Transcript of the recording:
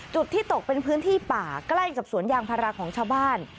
จุดที่ตกเป็นพื้นที่ป่าใกล้กับสวนยางพาราของชาวบ้าน